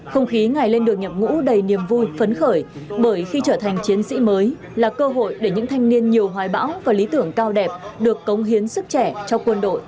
không khí ngày lên đường nhập ngũ đầy niềm vui phấn khởi bởi khi trở thành chiến sĩ mới là cơ hội để những thanh niên nhiều hoài bão và lý tưởng cao đẹp được cống hiến sức trẻ cho quân đội